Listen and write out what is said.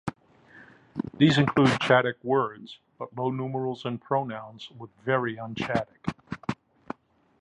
These include Chadic words, but low numerals and pronouns look very un-Chadic.